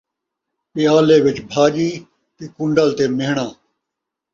پیالے وچ بھاڄی تے کنڈل تے مہݨا